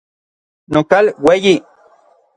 Nokal ueyi.